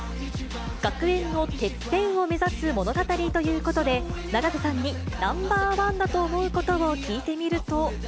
学園のてっぺんを目指す物語ということで、永瀬さんにナンバーワンだと思うことを聞いてみると。